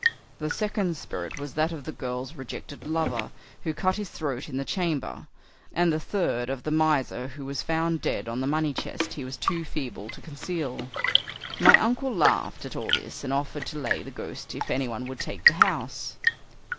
The second spirit was that of the girl's rejected lover, who cut his throat in the chamber, and the third of the miser who was found dead on the money chest he was too feeble to conceal. My uncle laughed at all this, and offered to lay the ghosts if anyone would take the house.